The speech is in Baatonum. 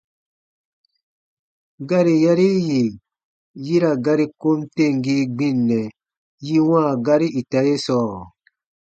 Gari yari yì yi ra gari kom temgii gbinnɛ yi wãa gari ita ye sɔɔ?